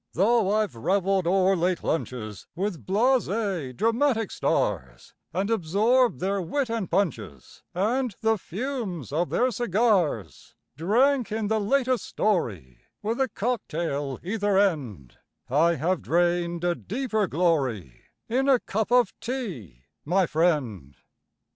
Though I've reveled o'er late lunches With blasé dramatic stars, And absorbed their wit and punches And the fumes of their cigars Drank in the latest story, With a cock tail either end, I have drained a deeper glory In a cup of tea, my friend.